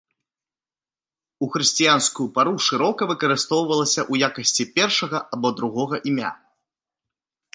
У хрысціянскую пару шырока выкарыстоўвалася ў якасці першага або другога імя.